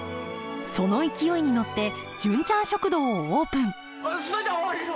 その勢いに乗って「純ちゃん食堂」をオープンそいじゃわしも！